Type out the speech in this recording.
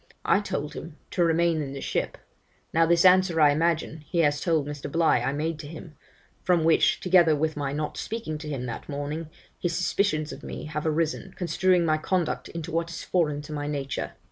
I told him, to remain in the ship. Now this answer, I imagine, he has told Mr, Bligh I made to him; from which, together with my not speaking to him that morning, his suspicions of me have arisen, construing my conduct into what is foreign to my nature.